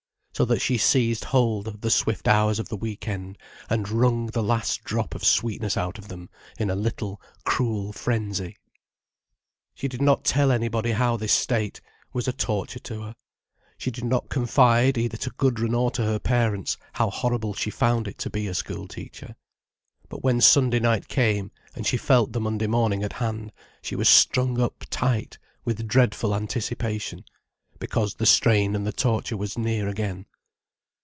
So that she seized hold of the swift hours of the week end, and wrung the last drop of sweetness out of them, in a little, cruel frenzy. She did not tell anybody how this state was a torture to her. She did not confide, either to Gudrun or to her parents, how horrible she found it to be a school teacher. But when Sunday night came, and she felt the Monday morning at hand, she was strung up tight with dreadful anticipation, because the strain and the torture was near again.